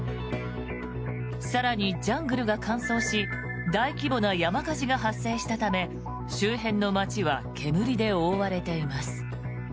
更に、ジャングルが乾燥し大規模な山火事が発生したため周辺の街は煙で覆われています。